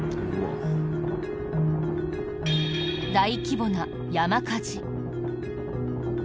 大規模な山火事。